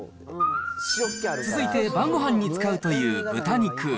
続いて晩ごはんに使うという豚肉。